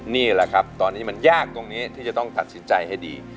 นี่แหละครับตอนนี้มันยากตรงนี้ที่จะต้องตัดสินใจให้ดี